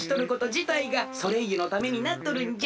じたいがソレイユのためになっとるんじゃ。